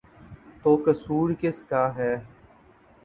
تو قصور کس کا ہے؟